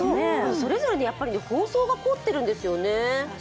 それぞれ包装が凝ってるんですよね。